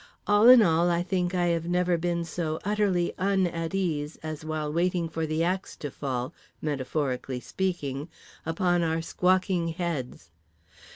All in all, I think I have never been so utterly un at ease as while waiting for the axe to fall, metaphorically speaking, upon our squawking heads.